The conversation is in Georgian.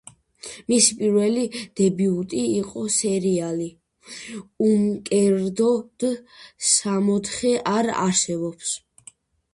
მისი პირველი დებიუტი იყო სერიალი „უმკერდოდ სამოთხე არ არსებობს“.